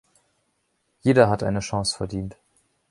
Jeder hat eine Chance verdient.